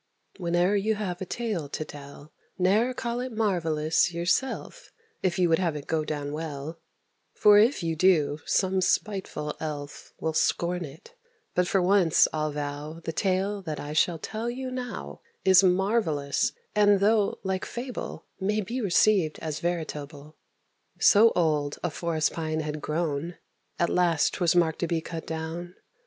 Whene'er you have a tale to tell, Ne'er call it marvellous yourself, If you would have it go down well, For, if you do, some spiteful elf Will scorn it; but for once I'll vow The tale that I shall tell you now Is marvellous, and though like fable, May be received as veritable. So old a forest pine had grown, At last 'twas marked to be cut down.